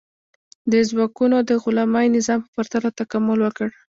دې ځواکونو د غلامي نظام په پرتله تکامل وکړ.